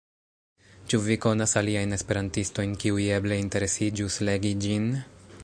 Ĉu vi konas aliajn esperantistojn, kiuj eble interesiĝus legi ĝin?